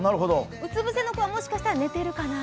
うつ伏せの子はもしかしたら寝ているかな。